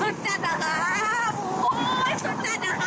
สุดจัดครับ